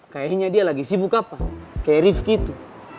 kayaknya dia lagi sibuk apa kayak riv gitu